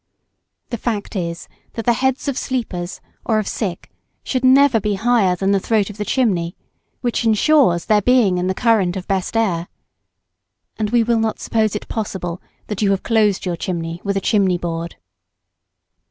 The fact is, that the heads of sleepers or of sick should never be higher than the throat of the chimney, which ensures their being in the current of best air. And we will not suppose it possible that you have closed your chimney with a chimney board.